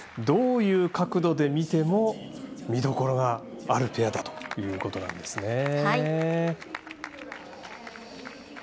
どういう角度で見ても見どころがあるペアだということなんですね。